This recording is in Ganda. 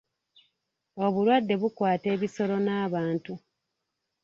Obulwadde bukwata ebisolo n'abantu.